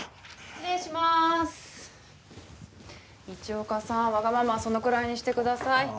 道岡さんわがままはそのくらいにしてください。